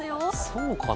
そうかな。